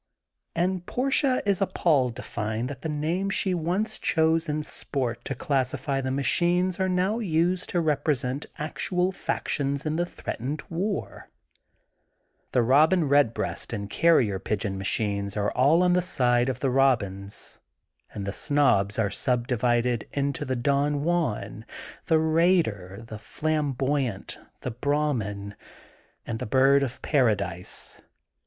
And Portia is appalled to find that the names she once chose in, sport "to classify the machines are now used to rep resent actual factions in the threatened war. The Eobin Redbreast and Carrier Pigeon machines are all on the side of the Robins, and the Snobs are subdivided into the Don Juan, the Raider, the Flamboyant, the Brah min and the Bird of Paradise.